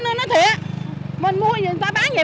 mình mua người ta bán vậy